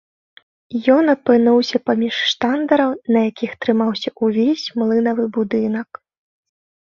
Ён апынуўся паміж штандараў, на якіх трымаўся ўвесь млынавы будынак.